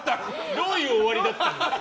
どういう終わりだったの？